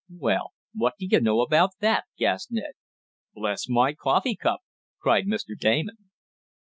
"Well, what do you know about that?" gasped Ned. "Bless my coffee cup!" cried Mr. Damon.